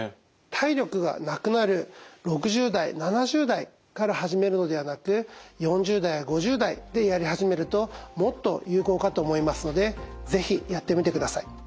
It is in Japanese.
体力がなくなる６０代７０代から始めるのではなく４０代５０代でやり始めるともっと有効かと思いますので是非やってみてください。